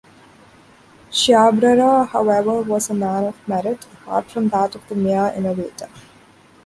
Chiabrera, however, was a man of merit, apart from that of the mere innovator.